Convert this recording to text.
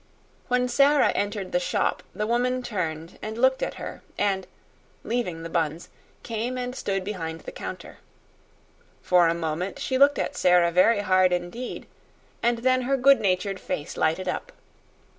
When Sara entered the shop the woman turned and looked at her, and, leaving the buns, came and stood behind the counter. For a moment she looked at Sara very hard indeed, and then her good natured face lighted up.